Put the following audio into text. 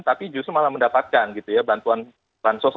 tapi justru malah mendapatkan gitu ya bantuan bansos